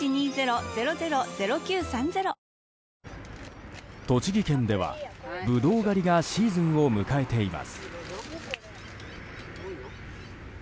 わぁ栃木県では、ブドウ狩りがシーズンを迎えています。